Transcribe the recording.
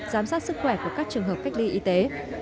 giám sát sức khỏe của các trường hợp cách ly y tế